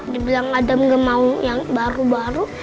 dibilang adam gak mau yang baru baru